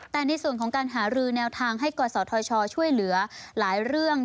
แต่ในส่วนของการหารือแนวทางให้กศธชช่วยเหลือหลายเรื่อง